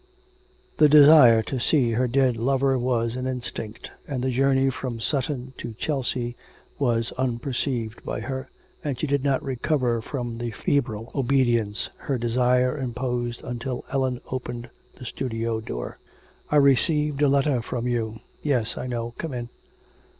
The desire to see her dead lover was an instinct, and the journey from Sutton to Chelsea was unperceived by her, and she did not recover from the febrile obedience her desire imposed until Ellen opened the studio door. 'I received a letter from you....' 'Yes, I know, come in.'